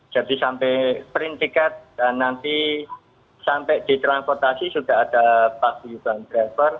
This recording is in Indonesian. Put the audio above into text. jadi sampai print tiget dan nanti sampai ditransportasi sudah ada pasiuban driver